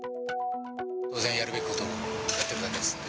当然やるべきことをやってるだけですね。